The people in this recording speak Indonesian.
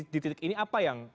di titik ini apa yang